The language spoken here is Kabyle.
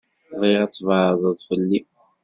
Bɣiɣ ad tbeɛded fell-i.